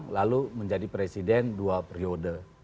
lalu menjadi presiden dua periode